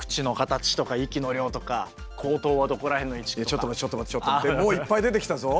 やっぱりちょっと待ってちょっと待ってもういっぱい出てきたぞ。